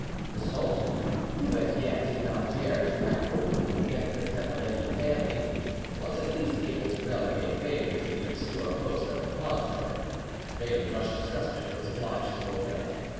The sultan, who as yet did not dare to act openly against the Tepelenian family, was at least able to relegate Veli to the obscure post of Lepanto, and Veli, much disgusted, was obliged to obey.